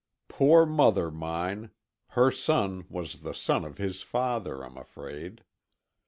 Poor mother mine—her son was the son of his father, I'm afraid.